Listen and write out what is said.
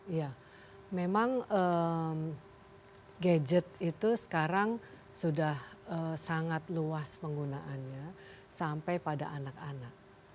iya memang gadget itu sekarang sudah sangat luas penggunaannya sampai pada anak anak